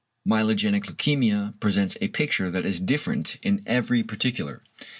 ~Myelogenic leukæmia~ presents a picture that is different in every particular.